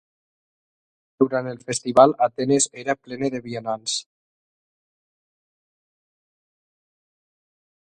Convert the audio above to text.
Durant el festival, Atenes era plena de visitants.